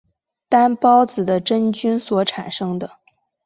担孢子的真菌所产生的。